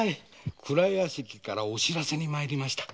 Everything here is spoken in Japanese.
蔵屋敷からお報せに参りました。